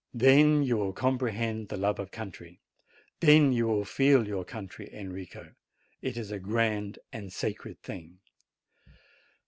Then you will comprehend the love of country ; then you will feel your country, Enrico. It is a grand and sacred thing.